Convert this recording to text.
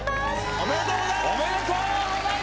おめでとうございます！